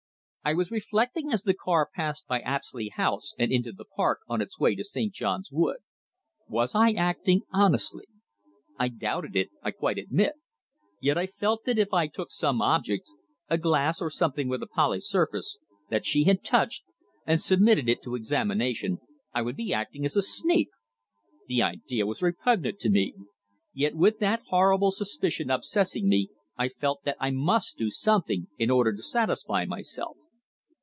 I was reflecting as the car passed by Apsley House and into the Park on its way to St. John's Wood. Was I acting honestly? I doubted her, I quite admit. Yet I felt that if I took some object a glass, or something with a polished surface that she had touched, and submitted it to examination, I would be acting as a sneak. The idea was repugnant to me. Yet with that horrible suspicion obsessing me I felt that I must do something in order to satisfy myself.